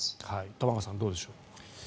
玉川さん、どうでしょう。